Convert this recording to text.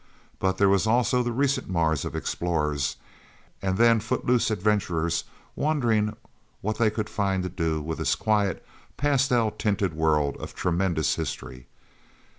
But there was also the recent Mars of explorers and then footloose adventurers, wondering what they could find to do with this quiet, pastel tinted world of tremendous history.